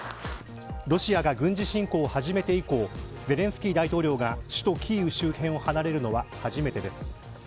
ロシアが軍事侵攻を始めて以降ゼレンスキー大統領が首都キーウ周辺を離れるのは初めてです。